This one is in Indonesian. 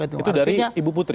itu dari ibu putri